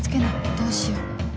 どうしよう